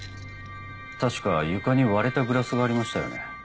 確か床に割れたグラスがありましたよね？